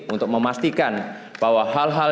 untuk memastikan bahwa hal hal